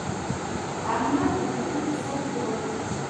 احمد د ټولګي په سر کې راغی.